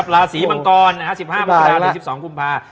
ราศีมังกร๑๕มกราถึง๑๒กุมภา